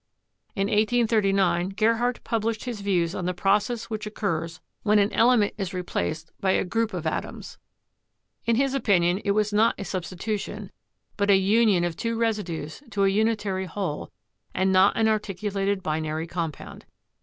In 1839, Gerhardt published his views on the process which occurs when an element is replaced by a group of atoms. In his opinion it was not a substitution, but a union of two residues to a unitary whole and not an artic ulated binary compound.